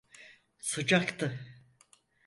Sıcaktı.